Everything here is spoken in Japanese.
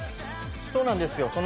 そうなんですよ。